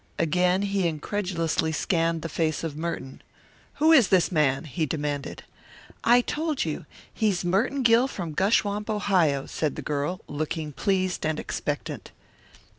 Again he incredulously scanned the face of Merton. "Who is this man?" he demanded. "I told you, he's Merton Gill from Gushwomp, Ohio," said the girl, looking pleased and expectant.